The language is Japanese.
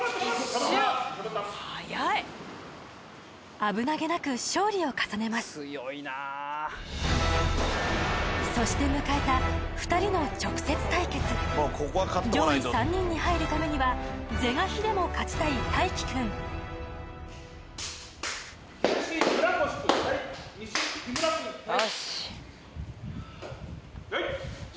危なげなく勝利を重ねますそして迎えた２人の直接対決上位３人に入るためには是が非でも勝ちたい太城くんはいはい礼！